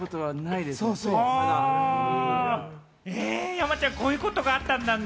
山ちゃん、こういうことがあったんだね。